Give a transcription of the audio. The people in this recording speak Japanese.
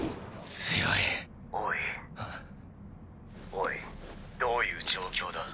おいどういう状況だ？